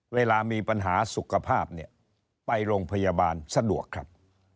เวลามีปัญหาสุขภาพเนี่ยไปโรงพยาบาลสะดวกครับ